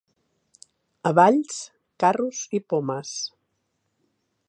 A Valls, carros i pomes.